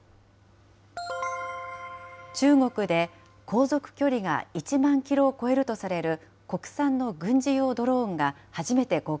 中国で航続距離が１万キロを超えるとされる国産の軍事用ドロ